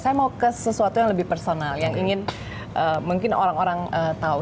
saya mau ke sesuatu yang lebih personal yang ingin mungkin orang orang tahu